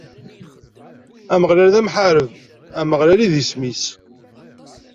Ameɣlal d amḥareb, Ameɣlal i d isem-is.